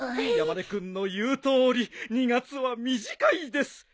山根君の言うとおり２月は短いです。